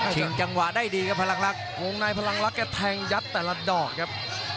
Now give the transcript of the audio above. ชิงจังหวะได้ดีครับพลังรักวงนายพลังรักแก่แทงยัดแต่ลำดอกครับ